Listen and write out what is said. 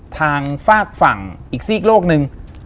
ทางฝากฝั่งอีกซีกโลกหนึ่ง